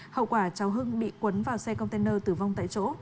hậu quả cháu hưng bị quấn vào xe container tử vong tại chỗ